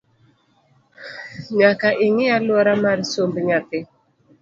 Nyaka ing’i aluora mar somb nyathi